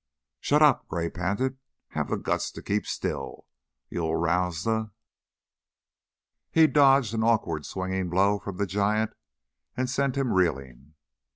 "Shut up!" Gray panted. "Have the guts to keep still. You'll rouse the " He dodged an awkward swinging blow from the giant and sent him reeling.